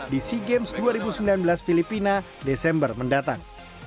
di sea games dua ribu sembilan belas filipina desember mendatang